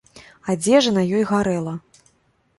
Адзежа на ёй гарэла.